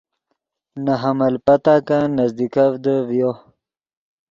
نے حمل پتاکن نزدیکڤدے ڤیو۔